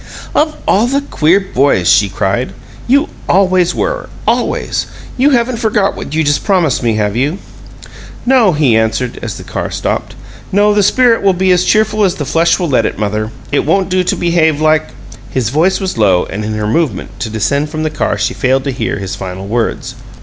"Of all the queer boys!" she cried. "You always were. Always! You haven't forgot what you just promised me, have you?" "No," he answered, as the car stopped. "No, the spirit will be as cheerful as the flesh will let it, mother. It won't do to behave like " His voice was low, and in her movement to descend from the car she failed to hear his final words.